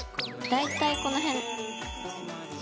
大体この辺。